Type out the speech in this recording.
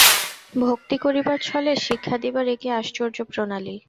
ভক্তি করিবার ছলে শিক্ষা দিবার এ কী আশ্চর্য প্রণালী।